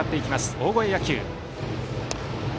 大声野球。